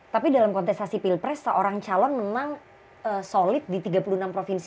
tapi dalam kontestasi pilpres seorang calon menang solid di tiga puluh enam provinsi